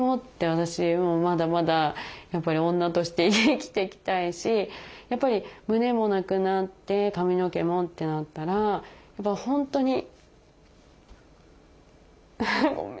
私もまだまだやっぱり女として生きていきたいしやっぱり胸もなくなって髪の毛もってなったら本当に。